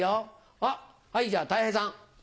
あっはいじゃあたい平さん。